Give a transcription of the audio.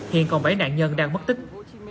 hiện còn bảy nạn nhân đang mất tích